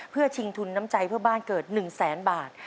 เพื่อชิงทุนน้ำใจเพื่อบ้านเกิด๑แสนบาท